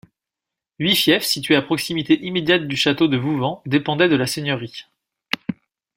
Huit fiefs situés à proximité immédiate du château de Vouvant dépendaient de la seigneurie.